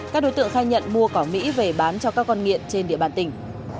các đối tượng khai nhận mua cỏ mỹ về bán cho các con nghiện trên địa bàn tỉnh